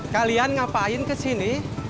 kalian ngapain kesini